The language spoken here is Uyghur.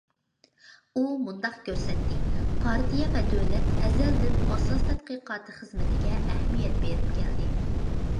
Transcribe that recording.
ئۇ مۇنداق كۆرسەتتى: پارتىيە ۋە دۆلەت ئەزەلدىن ئاساس تەتقىقاتى خىزمىتىگە ئەھمىيەت بېرىپ كەلدى.